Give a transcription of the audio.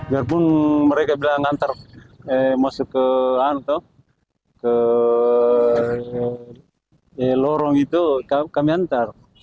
lalu di lorong itu kami hantar